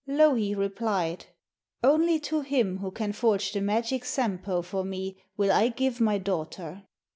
Louhi replied: 'Only to him who can forge the magic Sampo for me will I give my daughter.'